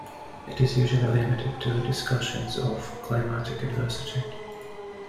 It is usually limited to discussions of climatic adversity.